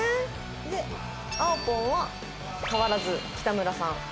であおぽんは変わらず北村さん。